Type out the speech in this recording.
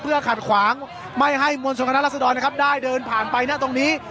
ขัดขวางไม่ให้มวลชนคณะรัศดรนะครับได้เดินผ่านไปหน้าตรงนี้